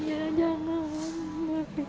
iya jangan mak